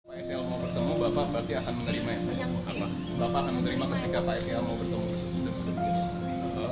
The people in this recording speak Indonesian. pak sl mau bertemu bapak berarti akan menerima ketika pak sl mau bertemu